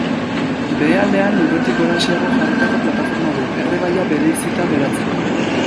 Behealdean, lurretik goraxeago jarritako plataforma du, erregaia bereizita geratzeko.